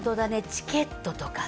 チケットとかさ。